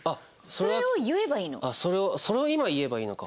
それを今言えばいいのか。